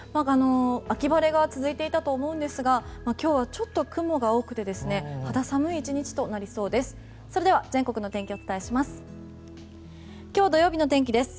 秋晴れが続いていたと思いますが今日はちょっと雲が多くて肌寒い１日となりそうです。